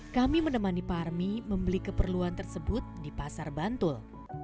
kami menemani parmi membeli keperluan tersebut di pasar bantul